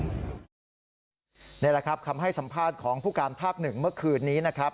นี่แหละครับคำให้สัมภาษณ์ของผู้การภาคหนึ่งเมื่อคืนนี้นะครับ